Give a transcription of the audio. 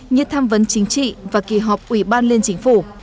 như tham vấn chính trị và kỳ họp ủy ban liên chính phủ